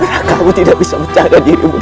raimu tidak bisa mencari dirimu